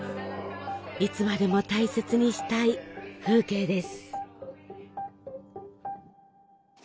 いつまでも大切にしたい風景です。